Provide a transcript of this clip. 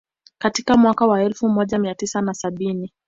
Katika mwaka wa elfu moj mia tisa na sabini